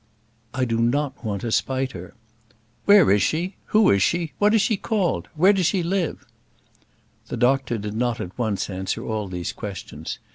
"I do not want to spite her." "Where is she? Who is she? What is she called? Where does she live?" The doctor did not at once answer all these questions.